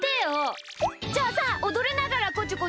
じゃあさおどりながらこちょこちょするのはどう？